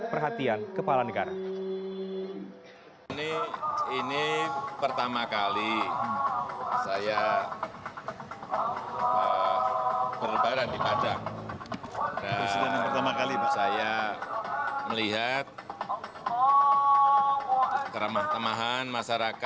perhatian kepala negara